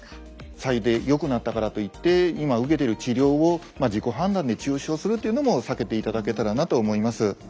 白湯でよくなったからといって今受けてる治療を自己判断で中止をするっていうのも避けていただけたらなと思います。